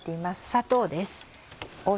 砂糖です。